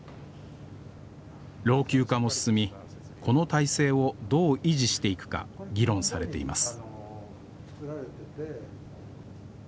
老朽化も進みこの体制をどう維持していくか議論されています